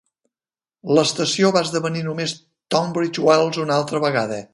L'estació va esdevenir només Tunbridge Wells una altra vegada.